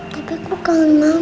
tapi kok kangen mama